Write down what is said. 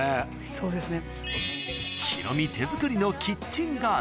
そうですね。